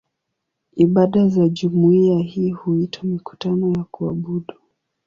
Ibada za jumuiya hii huitwa "mikutano ya kuabudu".